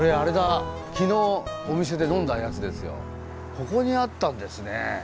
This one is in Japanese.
ここにあったんですね。